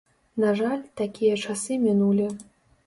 На жаль, такія часы мінулі.